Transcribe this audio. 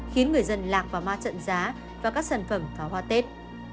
khiến người dân lạc vào ma trận giá và các sản phẩm pháo hoa tết